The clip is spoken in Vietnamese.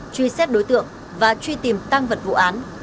truy xét đối tượng và truy tìm tăng vật vụ án